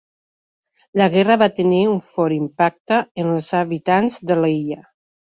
La guerra va tenir un fort impacte en els habitants de l'illa.